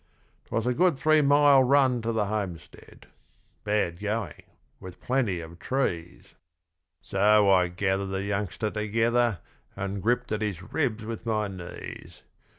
'Twas a good three mile run to the homestead bad going, with plenty of trees So I gathered the youngster together, and gripped at his ribs with my knees.